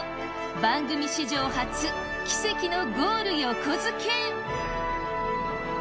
番組史上初奇跡のゴール横付け。